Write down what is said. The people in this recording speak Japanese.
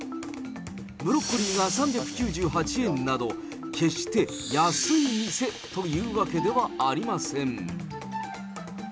ブロッコリーが３９８円など、決して安い店というわけではありません。